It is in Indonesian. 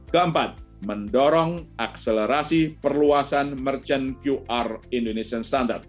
keempat mendorong akselerasi perluasan merchant qr indonesian standard